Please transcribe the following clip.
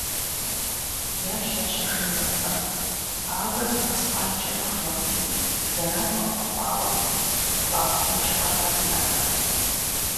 Ялъ ящӀэжыфын дэнэ къэна, ауэ зы мэскъалкӀэ нэхъ мыхъуми зэран уахуэхъуауэ къыпхуагъэгъункӀэ Ӏэмал иӀэтэкъым.